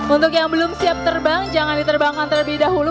untuk yang belum siap terbang jangan diterbangkan terlebih dahulu